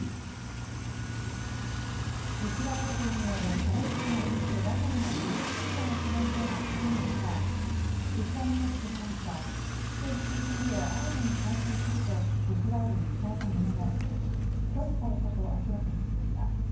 イスラエル軍によるパレスチナ自治区ガザへの地上侵攻の可能性が高まる中イスラム組織ハマスは人質２人を新たに解放するとイスラエルに伝えたものの拒否されたと明らかにしました。